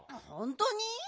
ほんとに？